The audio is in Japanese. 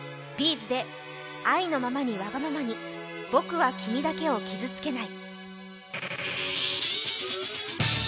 ’ｚで「愛のままにわがままに僕は君だけを傷つけない」。